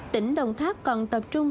tỉnh đồng tháp còn tập trung